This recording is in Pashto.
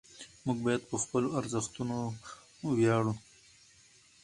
موږ باید په خپلو ارزښتونو ویاړو.